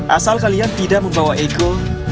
asal kalian tidak membawa ego